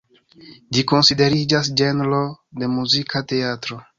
Ĝi konsideriĝas ĝenro de muzika teatro.